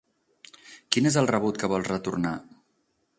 Quin és el rebut que vols retornar?